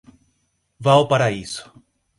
Valparaíso